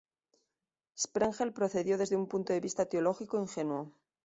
Sprengel procedió desde un punto de vista teológico ingenuo.